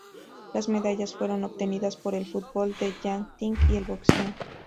Las medallas fueron obtenidas por el fútbol, el yachting y el boxeo.